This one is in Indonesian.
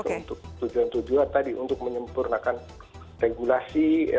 untuk tujuan tujuan tadi untuk menyempurnakan regulasi